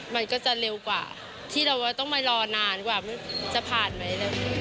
มันก็จะเร็วกว่าที่เราต้องมารอนานกว่าจะผ่านไหม